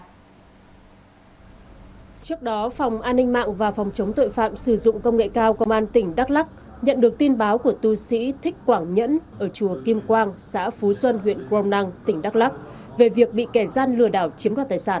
trước đó phòng an ninh mạng và phòng chống tội phạm sử dụng công nghệ cao công an tỉnh đắk lắc nhận được tin báo của tu sĩ thích quảng nhẫn ở chùa kim quang xã phú xuân huyện crom năng tỉnh đắk lắc về việc bị kẻ gian lừa đảo chiếm đoạt tài sản